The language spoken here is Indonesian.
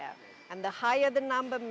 dan lebih tinggi jumlahnya